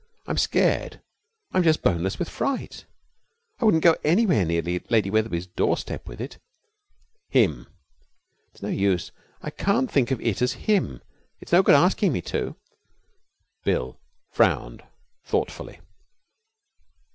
I'm scared, I'm just boneless with fright. And I wouldn't go anywhere near Lady Wetherby's doorstep with it.' 'Him.' 'It's no use, I can't think of it as "him." It's no good asking me to.' Bill frowned thoughtfully.